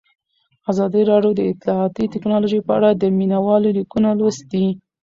ازادي راډیو د اطلاعاتی تکنالوژي په اړه د مینه والو لیکونه لوستي.